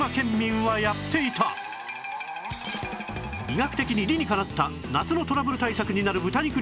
医学的に理にかなった夏のトラブル対策になる豚肉料理